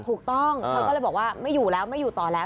ถูกต้องเธอก็เลยบอกว่าไม่อยู่แล้วไม่อยู่ต่อแล้ว